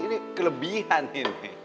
ini kelebihan ini